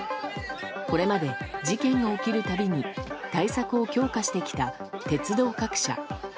これまで事件が起きるたびに対策を強化してきた鉄道各社。